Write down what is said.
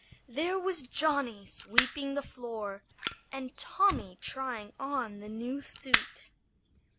There was Johnny sweeping the floor, and Tommy trying on the new suit.